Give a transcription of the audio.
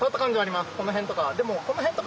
この辺とか。